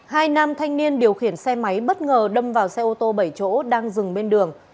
hai nam thanh niên điều khiển xe máy bất ngờ đâm vào xe ô tô bảy chỗ đang dừng bên đường